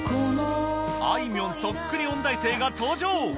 あいみょんそっくり音大生が登場！